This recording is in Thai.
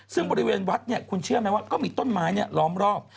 ซึ่งบริเวณวัดคุณเชื่อไหมว่าก็มีต้นไม้ล้อมรอบ